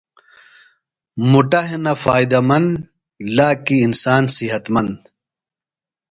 مُٹہ ہِنہ فائدہ مند، لاکیۡ انسان صحت مند